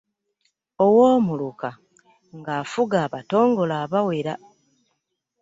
Owoomuluka ng’afuga Abatongole abawera.